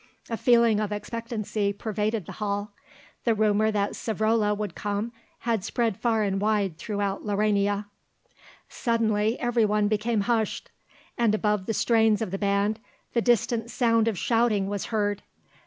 A feeling of expectancy pervaded the hall; the rumour that Savrola would come had spread far and wide throughout Laurania. Suddenly everyone became hushed, and above the strains of the band the distant sound of shouting was heard.